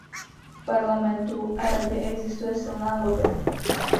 V Parlamentu a Radě existuje silná lobby.